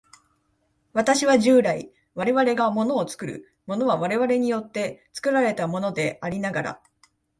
私は従来、我々が物を作る、物は我々によって作られたものでありながら、